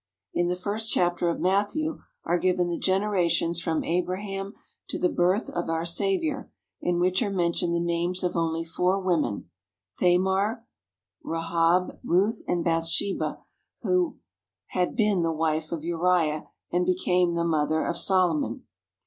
In the first chapter of Matthew are given the generations from Abraham to the birth of our Saviour, in which are mentioned the names of only four women: Thamar, Rahab, Ruth, and Bathsheba, who had been the wife of Uriah and became the mother of Solomon.